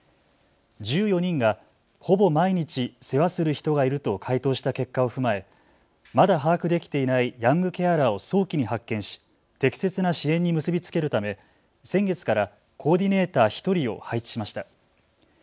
１４人がほぼ毎日世話する人がいると回答した結果を踏まえまだ把握できていないヤングケアラーを早期に発見し適切な支援に結び付けるため先月からコーディネーター１人を配置しました。